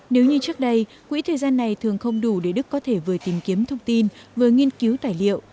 nếu như trước đây quỹ thời gian này thường không đủ để đức có thể vừa tìm kiếm thông tin vừa nghiên cứu tài liệu